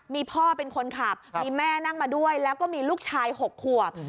มีพ่อเป็นคนขับมีแม่นั่งมาด้วยแล้วก็มีลูกชาย๖ขวบ